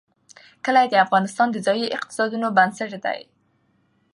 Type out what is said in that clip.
کلي د افغانستان د ځایي اقتصادونو بنسټ دی.